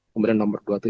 kemudian nomor dua itu